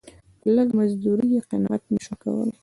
په لږ مزدوري یې قناعت نه سو کولای.